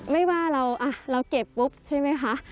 ไม่ว่าเราเก็บปุ๊บใช่ไหมคะ